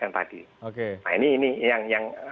tadi nah ini yang